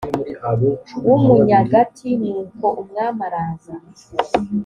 w umunyagati nuko umwami araza